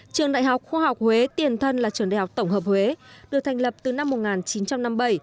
trường đại học khoa học huế tiền thân là trường đại học tổng hợp huế được thành lập từ năm một nghìn chín trăm năm mươi bảy